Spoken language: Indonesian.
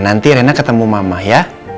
nanti rena ketemu mama ya